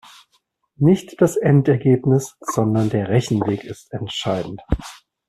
Nicht das Endergebnis, sondern der Rechenweg ist entscheidend.